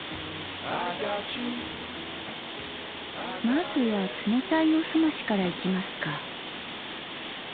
まずは冷たいおすましからいきますか。